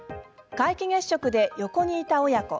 皆既月食で横にいた親子。